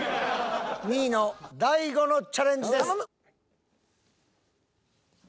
２位の大悟のチャレンジです。